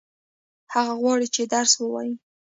هغه غواړي چې درس ووايي.